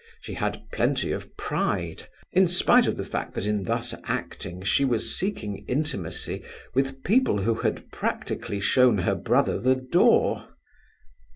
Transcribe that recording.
She had plenty of pride, in spite of the fact that in thus acting she was seeking intimacy with people who had practically shown her brother the door.